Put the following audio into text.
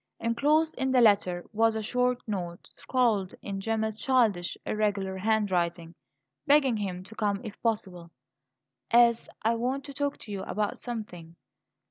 Enclosed in the letter was a short note, scrawled in Gemma's childish, irregular handwriting, begging him to come if possible, "as I want to talk to you about something."